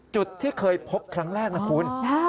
จุดที่เคยพบครั้งแรกนะคุณ